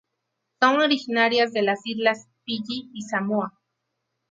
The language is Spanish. Son originarias de las islas Fiyi y Samoa.